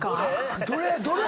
どれ⁉